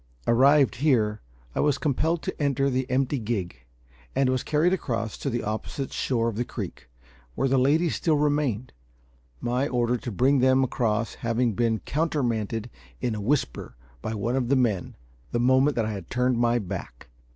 Arrived here, I was compelled to enter the empty gig, and was carried across to the opposite shore of the creek, where the ladies still remained; my order to bring them across having been countermanded in a whisper by one of the men, the moment that I had turned my back.